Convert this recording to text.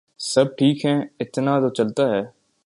سب ٹھیک ہے ، اتنا تو چلتا ہے ۔